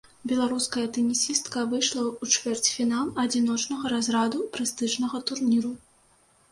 Беларуская тэнісістка выйшла ў чвэрцьфінал адзіночнага разраду прэстыжнага турніру.